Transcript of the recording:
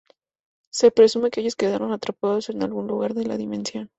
Se presume que ellos quedaron atrapados en algún lugar de la Dimensión.